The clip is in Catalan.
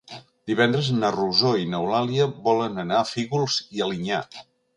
Divendres na Rosó i n'Eulàlia volen anar a Fígols i Alinyà.